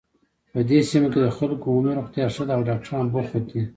په دې سیمه کې د خلکو عمومي روغتیا ښه ده او ډاکټران بوخت دي